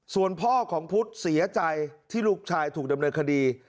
ส่วนพ่อของพุทธเสียใจที่ลูกชายถูกดำเนินคดี